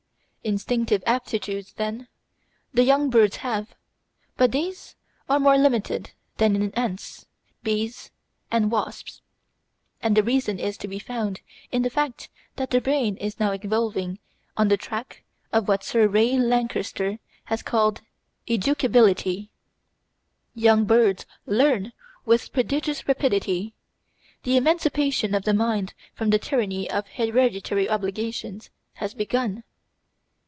Instinctive aptitudes, then, the young birds have, but these are more limited than in ants, bees, and wasps; and the reason is to be found in the fact that the brain is now evolving on the tack of what Sir Ray Lankester has called "educability." Young birds learn with prodigious rapidity; the emancipation of the mind from the tyranny of hereditary obligations has begun.